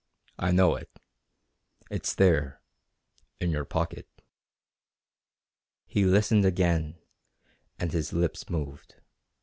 I know it. It's there in your pocket." He listened again, and his lips moved.